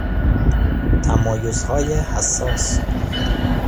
تمایزهای حساس